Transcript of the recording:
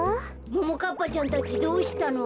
ももかっぱちゃんたちどうしたの？